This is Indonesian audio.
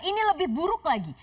ini lebih buruk lagi